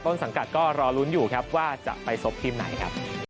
สังกัดก็รอลุ้นอยู่ครับว่าจะไปซบทีมไหนครับ